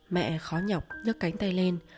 mẹ khó nhọc nhấc cánh tay lên